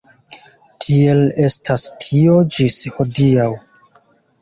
Tiel estas tio ĝis hodiaŭ.